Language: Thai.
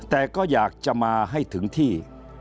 แต่ก็อยากจะมาให้ถึงที่